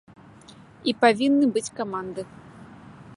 І павінны быць каманды.